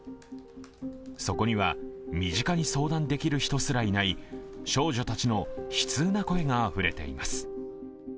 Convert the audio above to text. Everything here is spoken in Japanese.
そこには、身近に相談できる人すらいない少女たちの悲痛な声があふれています。